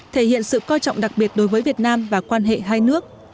thể hiện sự coi trọng đặc biệt đối với việt nam và quan hệ hai nước